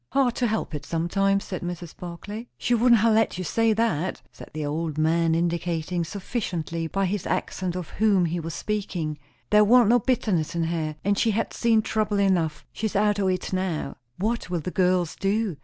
"Hard to help it, sometimes," said Mrs. Barclay. "She wouldn't ha' let you say that," said the old man, indicating sufficiently by his accent of whom he was speaking. "There warn't no bitterness in her; and she had seen trouble enough! She's out o' it now." "What will the girls do?